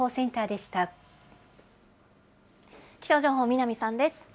気象情報、南さんです。